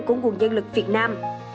của nguồn nhân lực việt nam